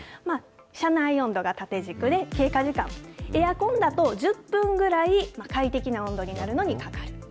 車内温度が縦軸で、経過時間、エアコンだと１０分ぐらい、快適な温度になるのにかかる。